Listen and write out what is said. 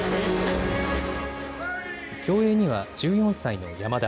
競泳には１４歳の山田。